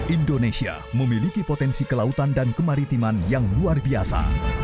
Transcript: indonesia memiliki potensi kelautan dan kemaritiman yang luar biasa